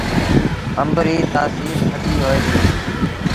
آݩب ريٚ تآسيٚر ٿڌي هوئي ديٚ۔